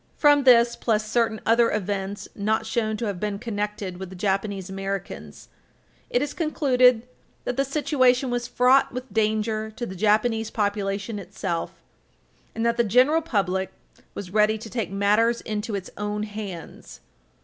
From this, plus certain other events not shown to have been connected with the Japanese Americans, it is concluded that the "situation was fraught with danger to the Japanese population itself," and that the general public "was ready to take matters into its own hands."